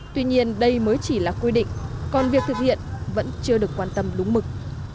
tuy nhiên đây mới chỉ là quy định còn việc thực hiện vẫn chưa được quan tâm đúng mực